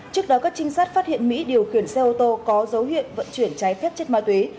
trước đó các trinh sát phát hiện mỹ điều khiển xe ô tô có dấu hiệu vận chuyển trái phép chất ma túy